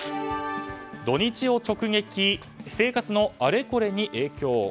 土日を直撃生活のあれこれに影響。